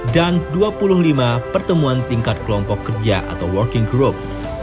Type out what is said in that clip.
dan dua puluh lima pertemuan tingkat kelompok kerja atau working group